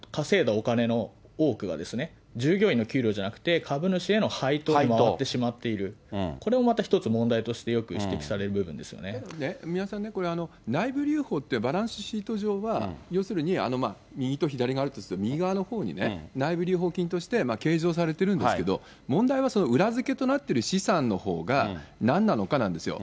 お金の多くが従業員の給料じゃなくて、株主への配当に回ってしまっている、これもまた１つ問題としてよく指摘され宮根さん、内部留保って、バランスシート上は要するに、右と左があるとすれば、右側のほうにね、内部留保金として計上されてるんですけど、問題はその裏付けとなっている資産のほうが、なんなのかなんですよ。